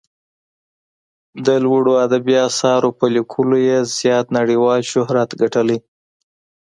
د لوړو ادبي اثارو په لیکلو یې زیات نړیوال شهرت ګټلی.